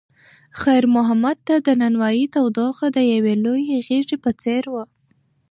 خیر محمد ته د نانوایۍ تودوخه د یوې لویې غېږې په څېر وه.